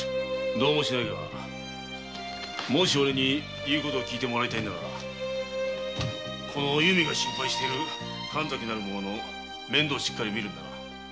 どうもしないがもしおれに言うことを聞いてもらいたいならこのお弓が心配している神崎なる者の面倒をしっかり見るんだな。